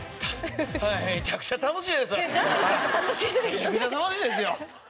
めちゃくちゃ楽しいですよ。